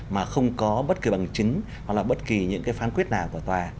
mà không có bất cứ bằng chứng hoặc là bất kỳ những phán quyết nào của tòa